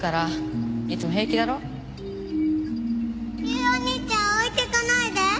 ユウお兄ちゃん置いてかないで。